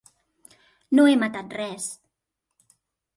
No he matat res.